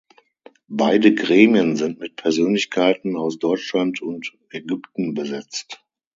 Beide Gremien sind mit Persönlichkeiten aus Deutschland und Ägypten besetzt.